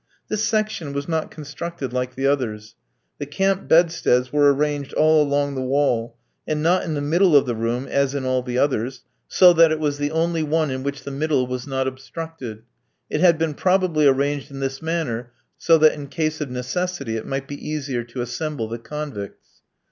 This section was not constructed like the others. The camp bedsteads were arranged all along the wall, and not in the middle of the room as in all the others, so that it was the only one in which the middle was not obstructed. It had been probably arranged in this manner so that in case of necessity it might be easier to assemble the convicts.